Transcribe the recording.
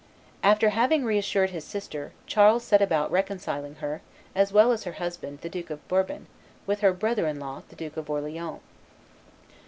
After having re assured his sister, Charles set about reconciling her, as well as her husband, the Duke of Bourbon, with her brother in law, the Duke of Orleans.